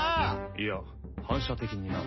いや反射的にな。